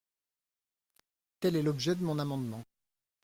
Tel est l’objet de mon amendement.